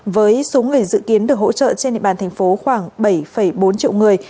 với số người dự kiến được hỗ trợ trên địa bàn tp khoảng bảy bốn triệu người